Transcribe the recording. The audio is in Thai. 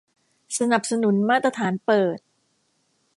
สนับสนุนมาตรฐานเปิด